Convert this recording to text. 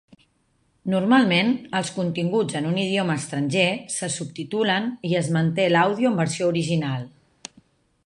Normalment, els continguts en un idioma estranger se subtitulen i es manté l'àudio en versió original.